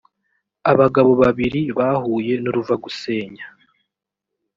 abagabo babiri bahuye n’uruva gusenya